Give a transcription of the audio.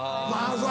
そう！